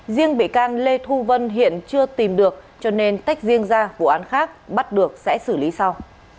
riêng bị can lê thu vân hiện chưa tìm được cho nên tách riêng ra vụ án khác bắt được sẽ xử lý sau